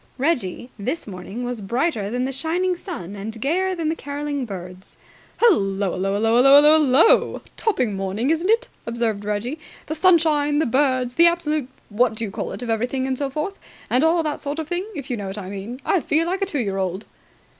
Reggie this morning was brighter than the shining sun and gayer than the carolling birds. "Hullo ullo ullo ullo ullo ullo ul lo! Topping morning, isn't it!" observed Reggie. "The sunshine! The birds! The absolute what do you call it of everything and so forth, and all that sort of thing, if you know what I mean! I feel like a two year old!"